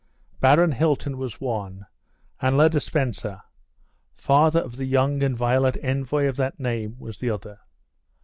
Baron Hilton was one, and Le de Spencer (father of the young and violent envoy of that name) was the other.